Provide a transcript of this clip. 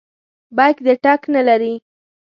بیک دې ټک نه لري.